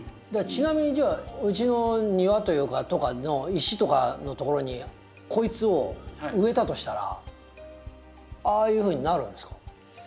ちなみにじゃあうちの庭というかとかの石とかのところにこいつを植えたとしたらああいうふうになるんですか？